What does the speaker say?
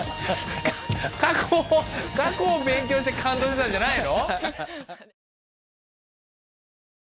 過去を勉強して感動してたんじゃないの？